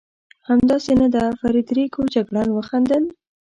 همداسې نه ده فرېدرېکو؟ جګړن وخندل.